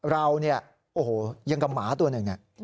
เราเนี่ยโอ้โหยังกับหมาตัวหนึ่ง